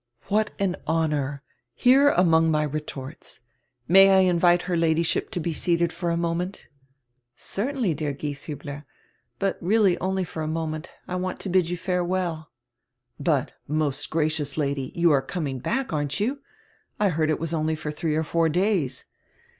"What air honor! Here anrong my retorts! May I invite her Lady ship to be seated for a moment?" "Certainly, dear Gieshiibler. But really only for a moment. I want to bid you farewell." "But, most gracious Lady, you are coming back, aren't you? I heard it was only for three or four days."